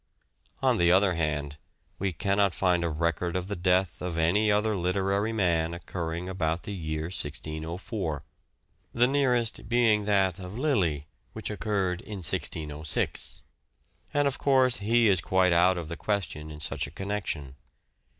On the other hand, we cannot find a record of the death of any other literary man occurring about the year 1604 : the nearest being that of Lyly which occurred in 1606. And of course he is quite out of the question in such a connection.